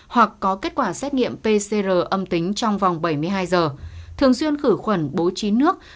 hoặc có kết quả xét nghiệm pcr âm tính trong vòng bảy mươi hai giờ thường xuyên khử khuẩn bố trí nước